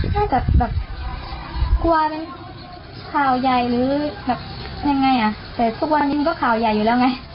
น่าจะแบบกลัวเป็นข่าวใหญ่หรือแบบยังไงอ่ะแต่ทุกวันนี้มันก็ข่าวใหญ่อยู่แล้วไง